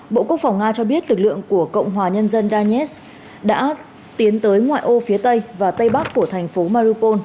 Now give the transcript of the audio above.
bộ quốc phòng nga cho biết lực lượng của cộng hòa nhân dân danets đã tiến tới ngoại ô phía tây và tây bắc của thành phố maropol